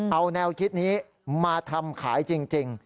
เอาแนวคิดนี้มาทำขายจริง